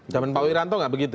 zaman pak wiranto nggak begitu